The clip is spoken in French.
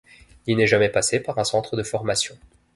Il n’est jamais passé par un centre de formation.